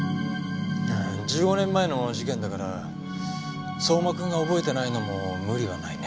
ああ１５年前の事件だから相馬君が覚えてないのも無理はないね。